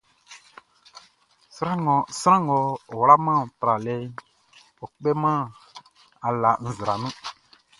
Sran ngʼɔ wlaman tralɛʼn, ɔ kpêman ala nzra nun.